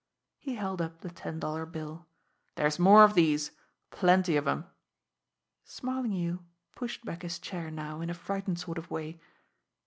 He held up the ten dollar bill. "There's more of these plenty of 'em." Smarlinghue pushed back his chair now in a frightened sort of way.